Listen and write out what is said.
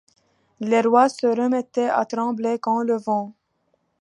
Les rois se remettaient à trembler, quand le vent